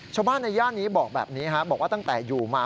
ชาวบ้านในย่านนี้บอกแบบนี้บอกว่าตั้งแต่อยู่มา